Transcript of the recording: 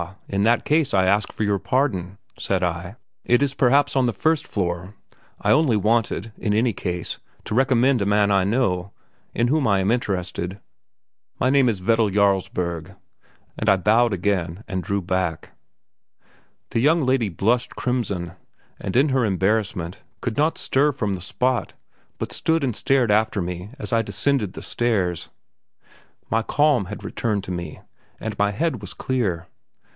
in that case, I again ask pardon," said I. "It is perhaps on the first floor. I only wanted, in any case, to recommend a man I know, in whom I am interested; my name is Wedel Jarlsberg," [Footnote: The last family bearing title of nobility in Norway.] and I bowed again and drew back. The young lady blushed crimson, and in her embarrassment could not stir from the spot, but stood and stared after me as I descended the stairs. My calm had returned to me, and my head was clear.